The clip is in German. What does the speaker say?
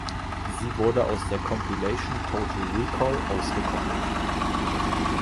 Sie wurde aus der Compilation "Total Recall" ausgekoppelt.